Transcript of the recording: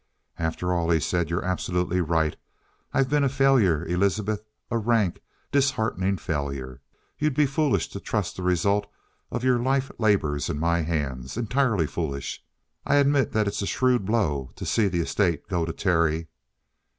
"After all," he said, "you're absolutely right. I've been a failure, Elizabeth a rank, disheartening failure. You'd be foolish to trust the result of your life labors in my hands entirely foolish. I admit that it's a shrewd blow to see the estate go to Terry."